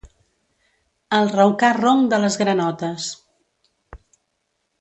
El raucar ronc de les granotes.